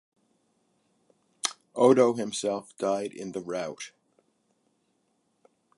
Odo himself died in the rout.